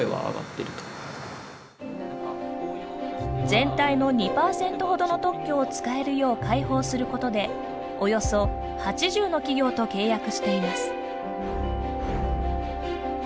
全体の２％ほどの特許を使えるよう開放することでおよそ８０の企業と契約しています。